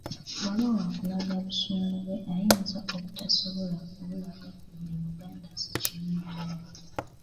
Bw'aba waakulaga busungu bwe ayinza obutasobola kubulaga ku buli Muganda ssekinnoomu